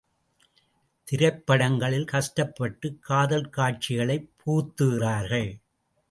திரைப்படங்களில் கஷ்டப்பட்டுக் காதல் காட்சிகளைப் புகுத்துகிறார்கள்.